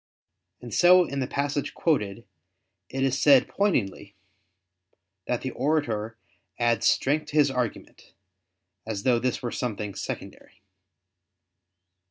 And so in the passage quoted, it is said pointedly that the orator "adds strength to his argument," as though this were something secondary.